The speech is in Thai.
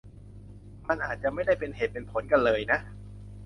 มันอาจจะไม่ได้เป็นเหตุเป็นผลกันเลยนะ